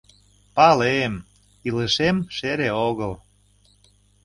Палем, илышем шере огыл.